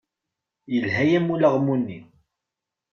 Yelha-yam ulaɣmu-nni.